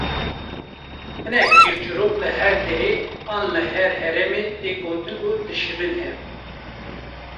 Hinek çîrçîrok li her derê an li her heremê tê gotin û dişibin hev